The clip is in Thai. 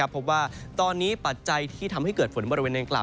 พบว่าตอนนี้ปัจจัยที่ทำให้เกิดฝนบริเวณอังกล่าว